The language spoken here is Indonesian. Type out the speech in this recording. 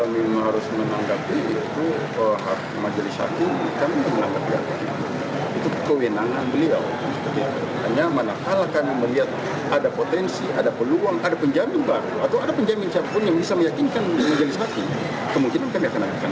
menurut penelitian penolakan tersebut akan menyebutkan kewenangan dari majelis hakim